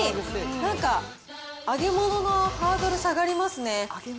なんか、揚げ物のハードル下がりますね。